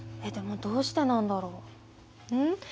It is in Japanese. でもどうしてなんだろう？ん？